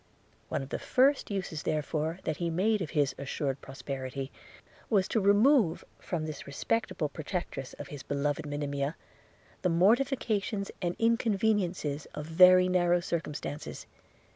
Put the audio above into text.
One of the first uses therefore that he made of his assured prosperity, was, to remove from this respectable protectress of his beloved Monimia, the mortifications and inconveniences of very narrow circumstances.